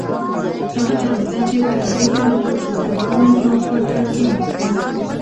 هغه دروازه چې برنډې ته ور خلاصېده، راغلم او پر کټ کښېناستم.